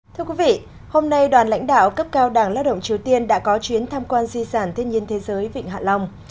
thưa quý vị hôm nay đoàn lãnh đạo cấp cao đảng lao động triều tiên đã có chuyến tham quan di sản thiên nhiên thế giới vịnh hạ long